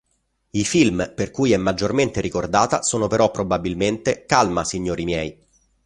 I film per cui è maggiormente ricordata sono però probabilmente "Calma, signori miei!